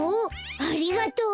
ありがとう！